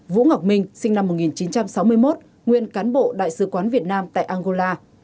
vũ ngọc minh sinh năm một nghìn chín trăm sáu mươi một nguyên cán bộ đại sứ quán việt nam tại angola